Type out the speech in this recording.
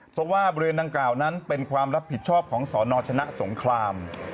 เพราะว่าบริเวณดังกล่าวนั้นเป็นความรับผิดชอบของสนชนะสงคราม